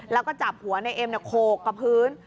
แล้วก็จับหัวในเอ็มโขกกับพื้น